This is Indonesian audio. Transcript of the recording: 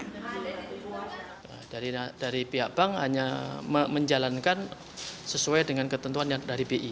pada tahap satu ini bank bank ini hanya menjalankan sesuai dengan ketentuan dari bi